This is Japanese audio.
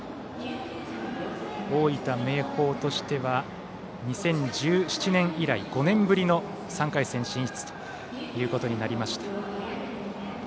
大分・明豊としては２０１７年以来、５年ぶりの３回戦進出となりました。